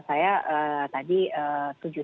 saya tadi tujuh